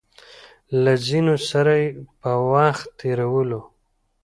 له ځينو سره يې په وخت تېرولو